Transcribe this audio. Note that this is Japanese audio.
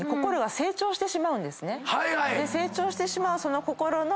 成長してしまうその。